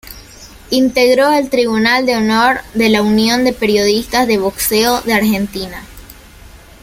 Integró el tribunal de honor de la Unión de Periodistas de Boxeo de Argentina.